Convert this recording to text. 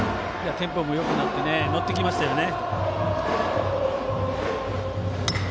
テンポもよくなって乗ってきましたよね。